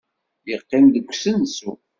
Yeqqim deg usensu.